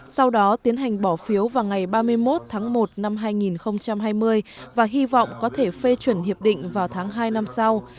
sau đó tiến hành bỏ phiếu vào ngày ba mươi một tháng một năm hai nghìn hai mươi và hy vọng có thể phê chuẩn hiệp định vào tháng hai năm sau